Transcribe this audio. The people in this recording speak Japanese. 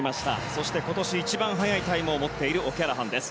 そして今年一番速いタイムを持っている、オキャラハンです。